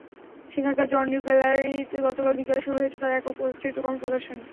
সেখানকার জয়নুল গ্যালারিতে গতকাল বিকেলে শুরু হয়েছে তাঁর একক চিত্রকর্ম প্রদর্শনী।